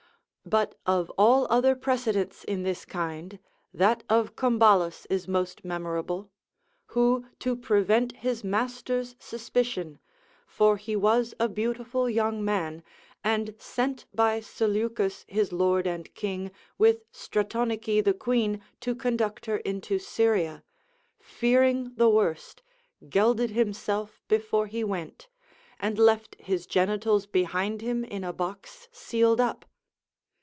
But of all other precedents in this kind, that of Combalus is most memorable; who to prevent his master's suspicion, for he was a beautiful young man, and sent by Seleucus his lord and king, with Stratonice the queen to conduct her into Syria, fearing the worst, gelded himself before he went, and left his genitals behind him in a box sealed up.